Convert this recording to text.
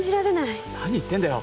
何言ってんだよ